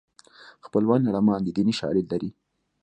خپلوان لړمان دي دیني شالید لري